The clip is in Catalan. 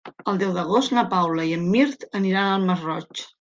El deu d'agost na Paula i en Mirt aniran al Masroig.